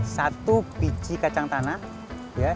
satu biji kacang tanah